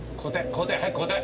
交代！早く交代！